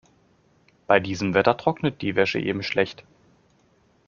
Bei diesem Wetter trocknet die Wäsche eben schlecht.